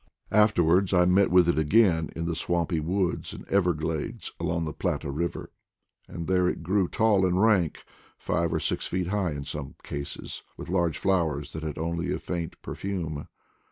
Afterwards I met with it again in the swampy woods and ever glades along the Plata Eiver; and there it grew tall and rank, five or six feet high in some cases, with large flowers that had only a faint perfume.